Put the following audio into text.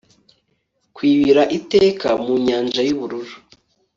kwibira iteka mu nyanja yubururu